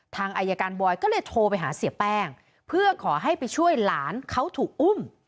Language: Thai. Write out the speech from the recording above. ทางอายการบอยก็เลยโทรไปหาเสียแป้งเพื่อขอให้ไปช่วยหลานเขาถูกอุ้ม